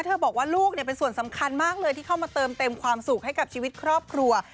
บอกว่าลูกเป็นส่วนสำคัญมากเลยที่เข้ามาเติมเต็มความสุขให้กับชีวิตครอบครัว